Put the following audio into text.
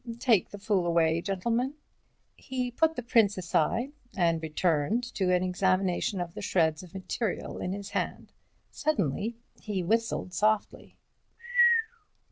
Take the fool away, gentlemen." He put the prints aside, and returned to an examination of the shreds of material in his hand. Suddenly he whistled softly.